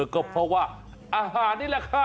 ก็เพราะว่าอาหารนี่แหละค่ะ